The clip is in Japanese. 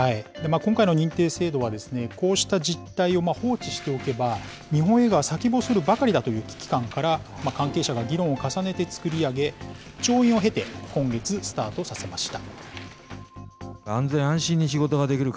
今回の認定制度は、こうした実態を放置しておけば、日本映画は先細るばかりだという危機感から関係者が議論を重ねて作り上げ、調印を経て、今月スタートさせました。